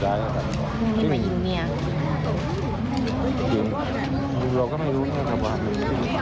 ยันโรก็ไม่รู้ไม่ได้ใจประมาณนี้